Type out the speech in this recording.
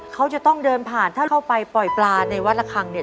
เขาจะต้องเดินผ่านถ้าเขาไปปล่อยปลาในวัดระคังเนี่ย